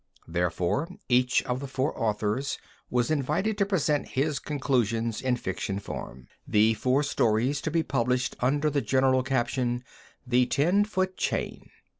Therefore, each of the four authors was invited to present his conclusions in fiction form, the four stories to be published under the general caption "The Ten Foot Chain."